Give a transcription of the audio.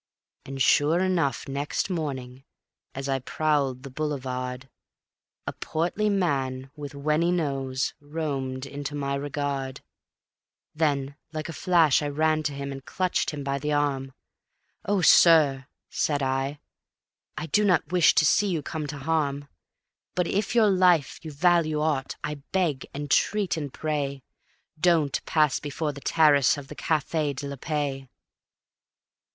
And sure enough, next morning, as I prowled the Boulevard, A portly man with wenny nose roamed into my regard; Then like a flash I ran to him and clutched him by the arm: "Oh, sir," said I, "I do not wish to see you come to harm; But if your life you value aught, I beg, entreat and pray Don't pass before the terrace of the Cafe de la Paix."